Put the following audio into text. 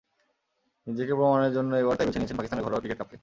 নিজেকে প্রমাণের জন্য এবার তাই বেছে নিয়েছেন পাকিস্তানের ঘরোয়া টি-টোয়েন্টি কাপকে।